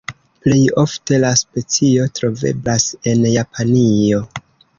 Plej ofte la specio troveblas en Japanio.